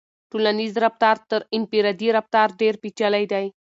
ټولنیز رفتار تر انفرادي رفتار ډېر پیچلی دی.